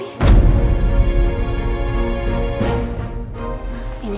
ini ibu obatnya